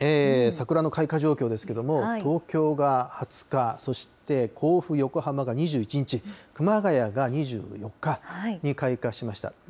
桜の開花状況ですけれども、東京が２０日、そして甲府、横浜が２１日、熊谷が２４日に開花しました。